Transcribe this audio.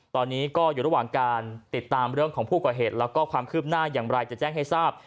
ตอนนี้ก็อยู่ระหว่างการติดตามเรื่องของผู้ก่อเหตุแล้วก็ความคืบหน้าอย่างไรจะแจ้งให้ทราบ